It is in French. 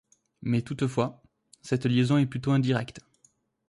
Mais toutefois, cette liaison est plutôt indirecte.